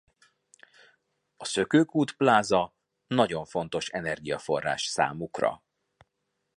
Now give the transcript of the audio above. A Szökőkút Pláza nagyon fontos energiaforrás számukra.